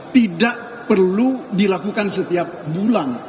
tidak perlu dilakukan setiap bulan